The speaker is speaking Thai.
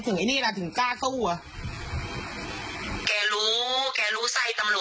คนหนึ่งอ่ะกินมาท่านพี่ป๊ากินไหมกินเงินไหม